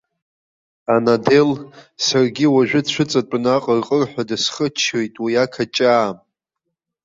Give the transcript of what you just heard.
Анадел, саргьы уажәы дцәыҵатәаны аҟырҟырҳәа дысхыччоит уи ақаҷаа.